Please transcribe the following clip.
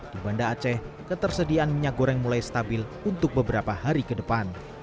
di banda aceh ketersediaan minyak goreng mulai stabil untuk beberapa hari ke depan